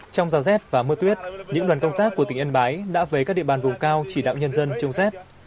trong rào rét và mưa tuyết những đoàn công tác của tỉnh yên bái đã về các địa bàn vùng cao chỉ đạo nhân dân chống rét